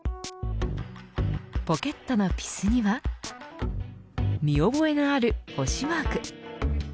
ポケットのピスには見覚えのある星マーク。